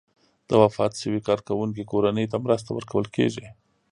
د وفات شوي کارکوونکي کورنۍ ته مرسته ورکول کیږي.